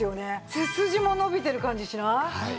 背筋も伸びてる感じしない？